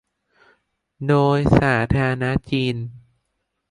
โดยสาธารณรัฐจีน